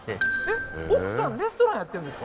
奥さんレストランやってるんですか？